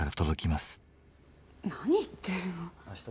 何言ってるの？